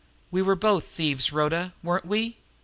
"We were both thieves, Rhoda, weren't we?